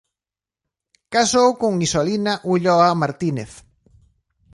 Casou con Isolina Ulloa Martínez.